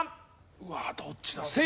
うわっどっちだ？